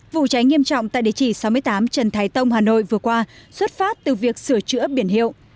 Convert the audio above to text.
vụ cháy nghiêm trọng tại địa chỉ sáu mươi tám trần thái tông hà nội vừa qua xuất phát từ việc sửa chữa biển hiệu